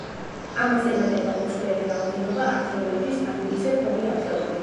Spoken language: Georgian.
ამას ემატება უცვლელი რაოდენობა ათეულების, ანუ, ისევ ორი ათეული.